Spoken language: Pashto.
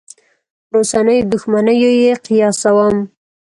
پر اوسنیو دوښمنیو یې قیاسوم.